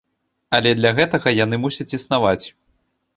Але для гэтага яны мусяць існаваць.